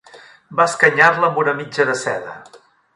Va escanyar-la amb una mitja de seda.